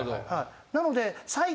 なので。